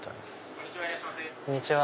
こんにちは。